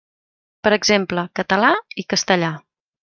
Per exemple, català i castellà.